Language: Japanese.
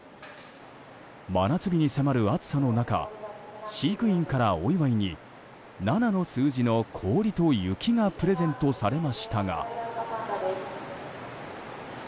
真夏日に迫る暑さの中飼育員から、お祝いに７の数字の氷と雪がプレゼントされましたが。